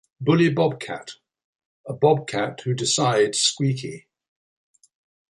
Bully Bobcat: a bobcat who decides Squeaky.